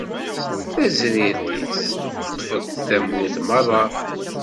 Tazrirt-is teṭṭef-d tamurt merra.